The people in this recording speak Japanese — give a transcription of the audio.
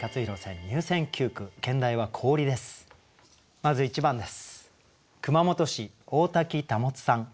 まず１番です。